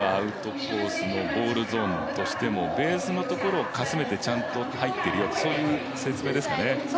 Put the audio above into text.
ボールをとったところはアウトコースのボールゾーンとしてもベースのところをかすめてちゃんと入ってるよという説明ですかね。